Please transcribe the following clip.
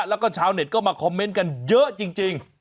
แล้วก็ชาวเน็ตก็มาคอมเมนต์กันเยอะจริง